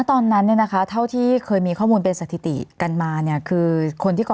ตอนนั้นเนี่ยนะคะเท่าที่เคยมีข้อมูลเป็นสถิติกันมาเนี่ยคือคนที่ก่อ